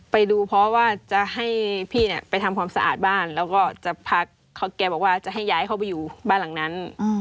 ไปดูเพราะว่าจะให้พี่เนี่ยไปทำความสะอาดบ้านแล้วก็จะพักแกบอกว่าจะให้ย้ายเข้าไปอยู่บ้านหลังนั้น